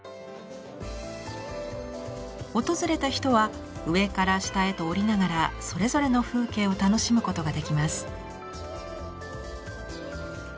訪れた人は上から下へと下りながらそれぞれの風景を楽しむことができます。